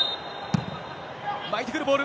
巻いてくるボール。